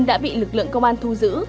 đã bị lực lượng công an thu giữ